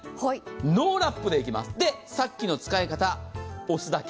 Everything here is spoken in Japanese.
ノーラップでいきます、さっきの使い方、押すだけ。